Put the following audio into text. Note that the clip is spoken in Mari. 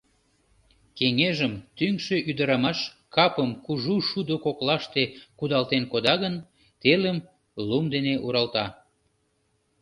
Кеҥежым тӱҥшӧ ӱдырамаш капым кужу шудо коклаште кудалтен кода гын, телым лум дене уралта.